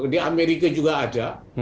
di amerika juga ada